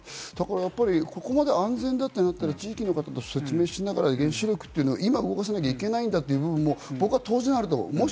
ここまで安全だってなったら、地域の方に説明しながら、原子力を今動かさなきゃいけないんだという部分も当然あるだろうと思う。